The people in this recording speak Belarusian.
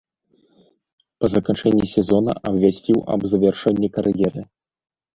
Па заканчэнні сезона абвясціў аб завяршэнні кар'еры.